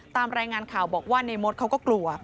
ตามรายงานข่าวบอกว่าในมดเขาก็กลัว